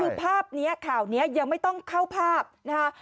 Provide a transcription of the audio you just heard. คือภาพนี้ข่าวนี้ยังไม่ต้องเข้าภาพนะคะ